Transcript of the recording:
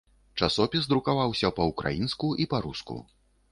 Часопіс друкаваўся па-ўкраінску і па-руску.